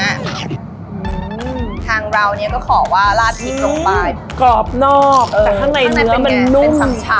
อืมทางเราเนี้ยก็ขอว่าราดผิดลงไปกรอบนอกเออข้างในเนื้อมันนุ่มข้างในเป็นแกงเป็นชำชำ